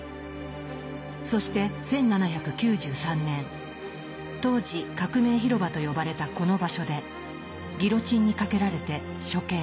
そして１７９３年当時革命広場と呼ばれたこの場所でギロチンにかけられて処刑。